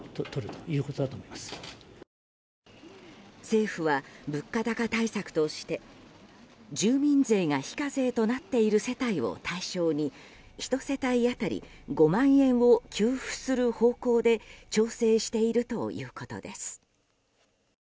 政府は物価高対策として住民税が非課税となっている世帯を対象に１世帯当たり５万円を給付する方向で調整しているということです。